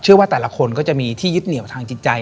ว่าแต่ละคนก็จะมีที่ยึดเหนียวทางจิตใจ